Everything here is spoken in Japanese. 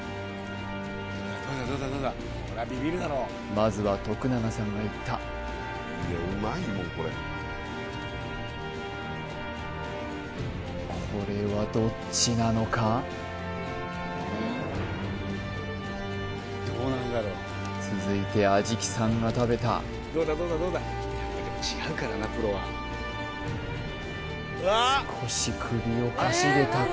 まずは永さんがいったこれはどっちなのか続いて安食さんが食べた少し首をかしげたか？